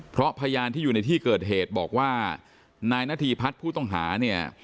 เพราะพยานที่อยู่ในที่เกิดเหตุบอกว่านายนาธีพัฒน์ผู้ต้องหาเนี่ย